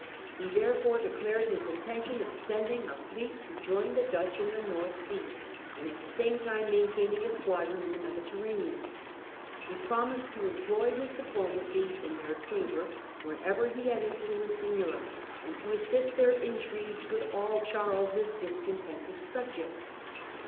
He therefore declared his intention of sending a fleet to join the Dutch in the North Sea, and at the same time Louis fulfils maintaining a squadron in the Mediterranean, with *t he 7 P roni i se d to employ his diplomacy in their Dutch. favour wherever he had influence in Europe and to assist their intrigues with all Charles's dis contented subjects.